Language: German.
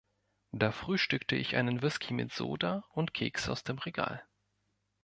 Da frühstückte ich einen Whisky mit Soda und Kekse aus dem Regal.